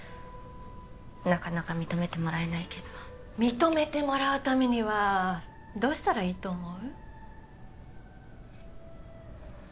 なかなか認めてもらえないけど認めてもらうためにはどうしたらいいと思う？